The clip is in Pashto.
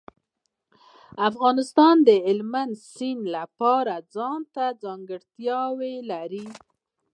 افغانستان د هلمند سیند له پلوه ځانته ځانګړتیاوې لري.